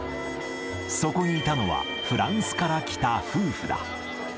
そこにいたのは、フランスから来た夫婦だ。